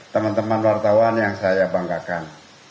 teman teman wartawan yang saya banggakan